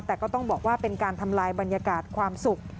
แต่ก็ต้องบอกว่าเป็นการทำลายบรรยากาศความสุข